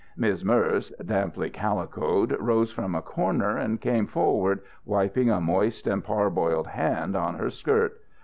Miz' Merz damply calicoed, rose from a corner and came forward, wiping a moist and parboiled hand on her skirt.